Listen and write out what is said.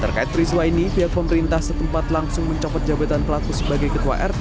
terkait peristiwa ini pihak pemerintah setempat langsung mencopot jabatan pelaku sebagai ketua rt